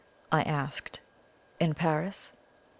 I asked. "In Paris?"